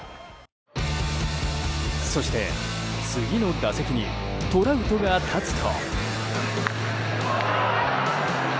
そして、次の打席にトラウトが立つと。